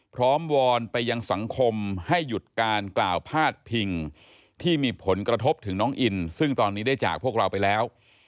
วอนไปยังสังคมให้หยุดการกล่าวพาดพิงที่มีผลกระทบถึงน้องอินซึ่งตอนนี้ได้จากพวกเราไปแล้ว